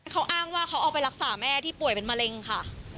เขาอ้างว่าเขาเอาไปรักษาแม่ที่ป่วยเป็นมะเร็งค่ะ